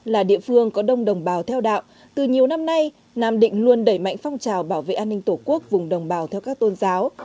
là địa phương có đông đồng bào theo đạo từ nhiều năm nay nam định luôn đẩy mạnh phong trào bảo vệ an ninh tổ quốc vùng đồng bào theo các tôn giáo